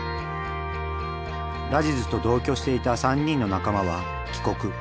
ラジズと同居していた３人の仲間は帰国。